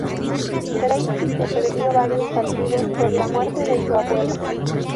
Tracy se perdió varios partidos por la muerte de su abuela.